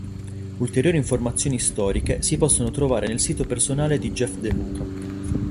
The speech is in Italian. Ulteriori informazioni storiche si possono trovare nel sito personale di Jeff De Luca.